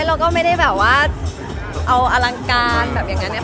เราก็ไม่ได้แบบว่าเอาอลังการแบบอย่างนั้นนะ